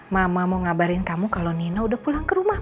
mama mau ngabarin kamu kalau nina udah pulang ke rumah